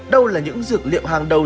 đâu là những dược liệu hàng đầu